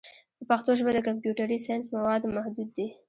په پښتو ژبه د کمپیوټري ساینس مواد محدود دي.